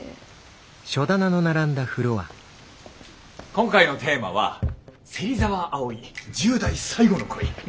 今回のテーマは「芹澤あおい１０代最後の恋」。